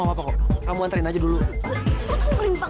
nggak kok pacar lo aja yang kampungan